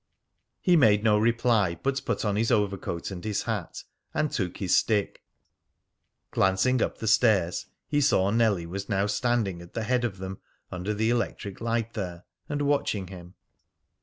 He made no reply, but put on his overcoat and his hat, and took his stick. Glancing up the stairs, he saw Nellie was now standing at the head of them, under the electric light there, and watching him.